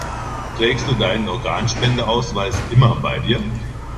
Trägst du deinen Organspendeausweis immer bei dir?